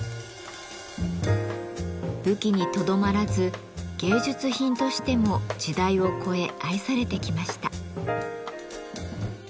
武器にとどまらず芸術品としても時代を越え愛されてきました。